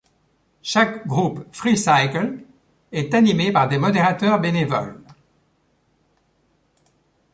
Chaque groupe Freecycle est animé par des modérateurs bénévoles.